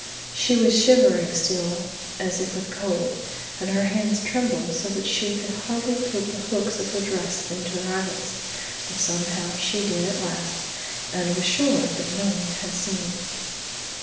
She was shivering still as if with cold, and her hands trembled so that she could hardly put the hooks of her dress into their eyelets. But somehow she did at last, and was sure that no one had seen.